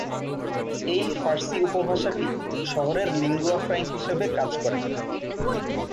এই ফার্সি উপভাষাটি শহরের লিঙ্গুয়া ফ্র্যাঙ্ক হিসাবে কাজ করে।